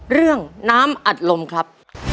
เรื่องน้ำอัดลมครับ